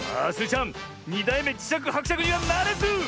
ちゃん２だいめじしゃくはくしゃくにはならず！